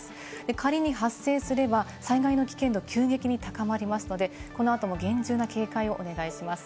仮に発生すれば、災害の危険度が急激に高まりますので、この後も厳重な警戒をお願いします。